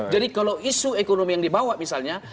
jadi kalau isu ekonomi yang dibawa misalnya